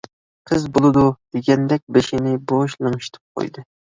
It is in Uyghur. قىز «بولىدۇ» دېگەندەك بېشىنى بوش لىڭشىتىپ قويدى.